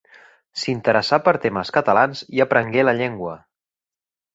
S'interessà per temes catalans i aprengué la llengua.